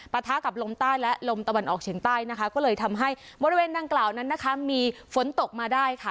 ทะกับลมใต้และลมตะวันออกเฉียงใต้นะคะก็เลยทำให้บริเวณดังกล่าวนั้นนะคะมีฝนตกมาได้ค่ะ